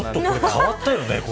変わったよね。